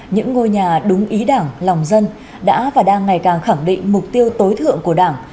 những ngôi nhà đúng ý đảng lòng dân đã và đang ngày càng khẳng định mục tiêu tối thượng của đảng